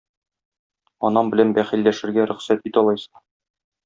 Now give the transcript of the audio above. Анам белән бәхилләшергә рөхсәт ит алайса.